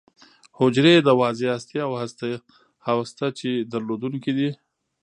حجرې یې د واضح هستې او هسته چي درلودونکې دي.